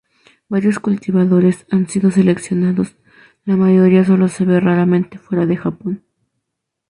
Varios cultivares han sido seleccionados, la mayoría sólo se ven raramente fuera de Japón.